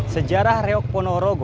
sejarah riau ponorogo